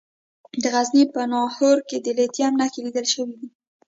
د غزني په ناهور کې د لیتیم نښې لیدل شوي دي.